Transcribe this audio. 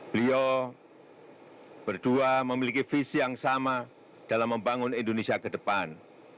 beliau berdua memiliki visi yang sama dalam membangun indonesia ke depan